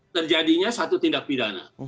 terjadinya satu tindak pidana